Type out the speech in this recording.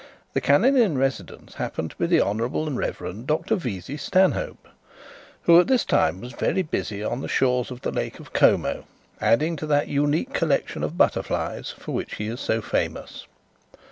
The canon in residence happened to be the Honourable and Reverend Dr Vesey Stanhope, who at this time was very busy on the shores of Lake Como, adding to that unique collection of butterflies for which he is so famous.